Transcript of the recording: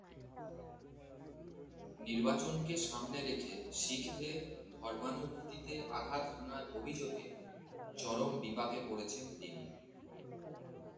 নির্বাচনকে সামনে রেখে শিখদের ধর্মানুভূতিতে আঘাত হানার অভিযোগে চরম বিপাকে পড়েছেন তিনি।